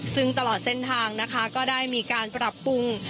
ซึ่งตลอดเส้นทางนะคะก็ได้มีการปรับปรุง